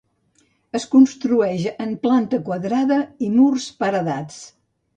Es construeix en planta quadrada i murs paredats.